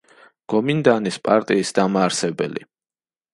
გომინდანის პარტიის დამაარსებელი.